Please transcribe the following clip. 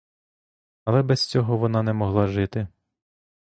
Але без цього вона не могла жити.